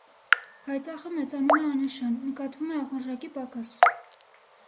Փայծաղը մեծանում է աննշան, նկատվում է ախորժակի պակաս։